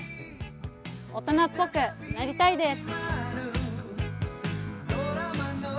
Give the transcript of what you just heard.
大人っぽくなりたいです！